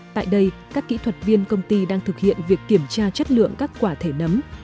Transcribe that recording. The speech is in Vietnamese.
tại đây các kỹ thuật viên công ty đang thực hiện việc kiểm tra chất lượng các quả thể nấm